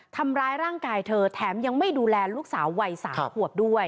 ทำร้ายร่างกายเธอแถมยังไม่ดูแลลูกสาววัย๓ขวบด้วย